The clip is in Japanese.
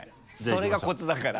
それがコツだから。